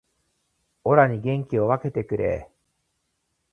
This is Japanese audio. オラに元気を分けてくれー